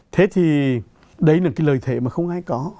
thế thì đấy là lời thể mà không ai có